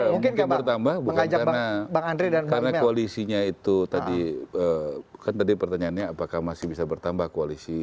ya mungkin bertambah bukan karena koalisinya itu tadi kan tadi pertanyaannya apakah masih bisa bertambah koalisi